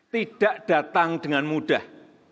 tidak datang dengan mudah